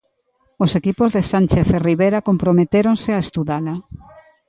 Os equipos de Sánchez e Rivera comprometéronse a estudala.